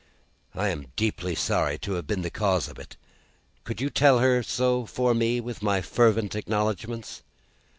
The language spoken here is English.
"I am deeply sorry to have been the cause of it. Could you tell her so for me, with my fervent acknowledgments?"